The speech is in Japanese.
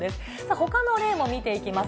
ほかの例も見ていきます。